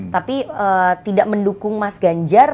tapi tidak mendukung mas ganjar